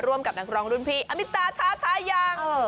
ร่วมกับนักร้องรุ่นพี่อมิตาทาทายัง